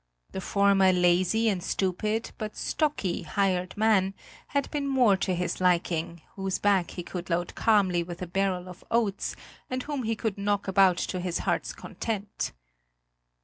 The former lazy and stupid but stocky hired man had been more to his liking, whose back he could load calmly with a barrel of oats and whom he could knock about to his heart's content.